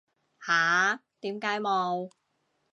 吓？點解冇